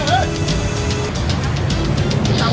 ต้องกลับมาด้วย